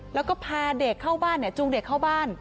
แล้วก็พาเด็กเข้าบ้านจูงเด็กเข้าบ้าน